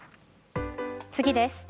次です。